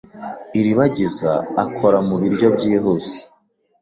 Iribagiza akora mubiryo byihuse.